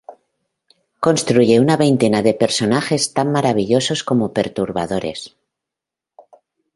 Construye una veintena de personajes tan maravillosos como perturbadores.